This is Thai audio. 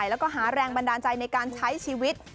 แล้วก็หาแรงบันดาลใจในการใช้ชีวิต